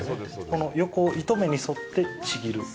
この横を糸目に沿ってちぎる。